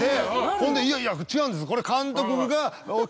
ほんで「いやいや違うんですこれ」。